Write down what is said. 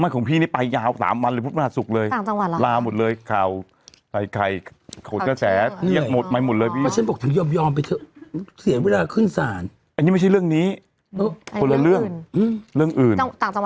ไม่ของพี่นี่ไปยาว๓วันเลยพุทธประหัสศุกร์เลย